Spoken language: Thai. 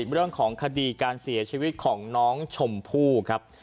เรื่องของคดีการเสียชีวิตของน้องชมพู่ครับ